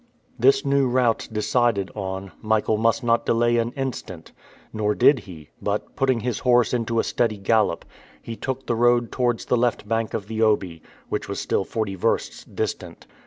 This new route decided on, Michael must not delay an instant. Nor did he, but, putting his horse into a steady gallop, he took the road towards the left bank of the Obi, which was still forty versts distant.